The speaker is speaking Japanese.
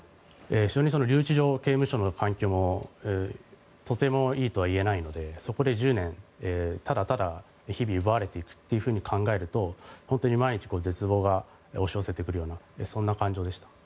非常に、留置場刑務所の環境もとてもいいとは言えないのでそこで１０年、ただただ日々を奪われていくと考えると本当に毎日絶望が押し寄せてくるようなそんな感情でした。